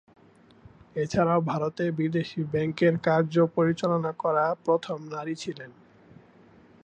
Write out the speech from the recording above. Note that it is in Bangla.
এছাড়াও ভারতে বিদেশী ব্যাংকের কার্য পরিচালনা করা প্রথম নারী ছিলেন।